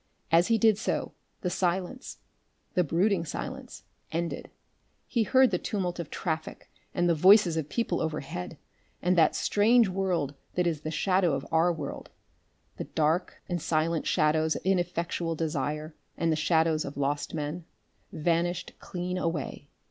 As he did so, the silence the brooding silence ended; he heard the tumult of traffic and the voices of people overhead, and that strange world that is the shadow of our world the dark and silent shadows of ineffectual desire and the shadows of lost men vanished clean away.